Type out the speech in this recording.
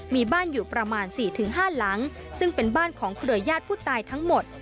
มีบ้านอยู่ประมาณ๔๕หลังซึ่งเป็นบ้านของเครือญาติผู้ตายทั้งหมด